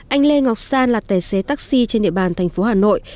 anh lê ngọc san là tài xế taxi trên địa bàn thành phố hà nội